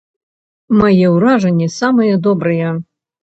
Мае ўражанні самыя добрыя.